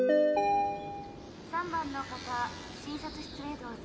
３番の方診察室へどうぞ。